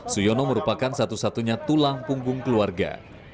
suyono merupakan satu satunya tulang punggung keluarga